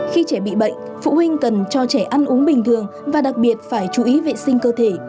khi trẻ bị bệnh phụ huynh cần cho trẻ ăn uống bình thường và đặc biệt phải chú ý vệ sinh cơ thể